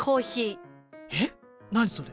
えっ何それ。